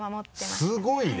すごいね。